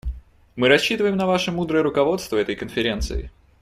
Мы рассчитываем на ваше мудрое руководство этой Конференцией.